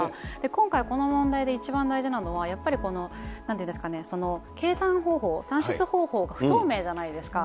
今回この問題で一番大事なのは、やっぱりなんていうんですかね、計算方法、算出方法が不透明じゃないですか。